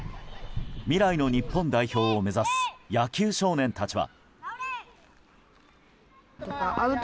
未来の日本代表を目指す野球少年たちは。